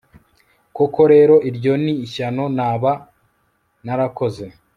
koko rero, iryo ni ishyano naba narakoze